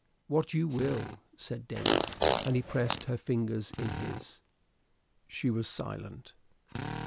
"What you will," said Denis, and he pressed her fingers in his. She was silent.